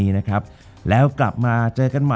จบการโรงแรมจบการโรงแรม